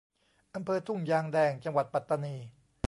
อำเภอทุ่งยางแดง จังหวัดปัตตานี